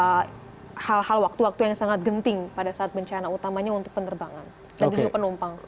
ada hal hal waktu waktu yang sangat genting pada saat bencana utamanya untuk penerbangan dan juga penumpang